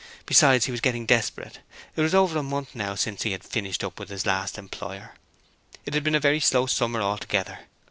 Besides, he was getting desperate. It was over a month now since he had finished up for his last employer. It had been a very slow summer altogether.